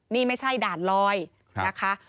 นี่ไม่ใช่ด่านลอยนะคะ